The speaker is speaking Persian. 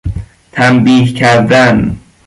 تنبیه کردن